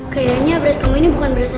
kayaknya beras kamu ini bukan beras lo ya